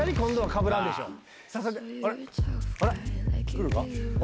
来るか？